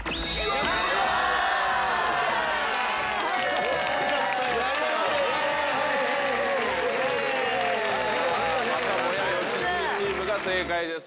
良純チームが正解です。